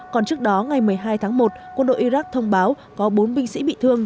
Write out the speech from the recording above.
còn trước đó ngày một mươi hai tháng một quân đội iraq thông báo có bốn binh sĩ bị thương